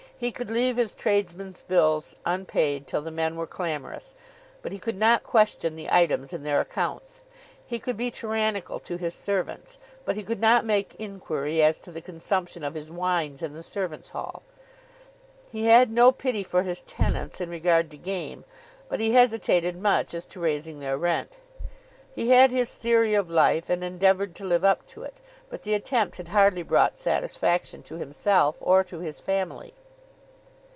He could leave his tradesmen's bills unpaid till the men were clamorous, but he could not question the items in their accounts. He could be tyrannical to his servants, but he could not make inquiry as to the consumption of his wines in the servants' hall. He had no pity for his tenants in regard to game, but he hesitated much as to raising their rent. He had his theory of life and endeavoured to live up to it; but the attempt had hardly brought satisfaction to himself or to his family.